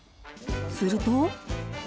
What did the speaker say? すると。